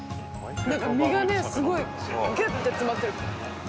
身がねすごいギュッて詰まってる。